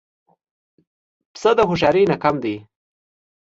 پسه د هوښیارۍ نه کم دی.